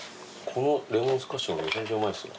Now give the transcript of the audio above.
このレモンスカッシュめちゃめちゃうまいっすよ。